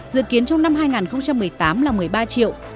dự kiến trong năm hai nghìn một mươi tám là một mươi ba triệu